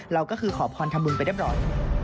เราก็คือขอพรทำบุญไปเรียบร้อย